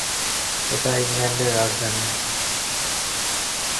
এটা ইংল্যান্ডের রাজধানী।